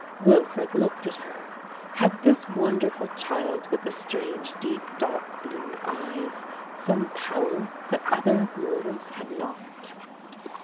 Wilfred looked at her. Had this wonderful child with the strange deep dark blue eyes some power that other mortals had not?